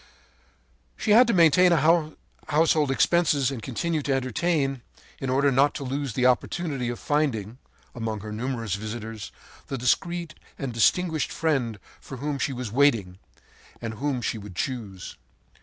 “She had to maintain her household expenses and continue to entertain, in order not to lose the opportunity of finding, among her numerous visitors, the discreet and distinguished friend for whom she was waiting, and whom she would choose.